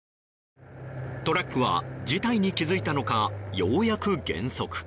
トラックは事態に気付いたのかようやく減速。